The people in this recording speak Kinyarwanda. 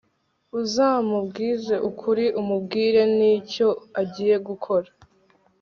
uzamubwize ukuri, umubwire nicyo agiye gukora